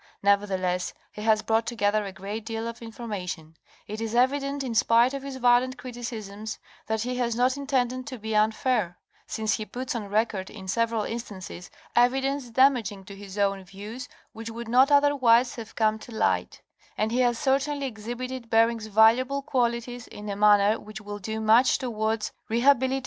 Nevertheless he has brought together a great deal of information; it is evident, in spite of his violent criticisms, that he has not intended to be unfair, since he puts on record in several instances evidence damaging to his own views which would not otherwise have come to ight; and he has certainly exhibited Bering's valuable qualities in a manner which will do much towards rehabilitating his reputation.